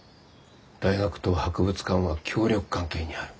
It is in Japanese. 大学と博物館は協力関係にある。